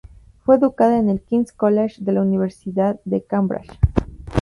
Fue educada en el King's College de la Universidad de Cambridge.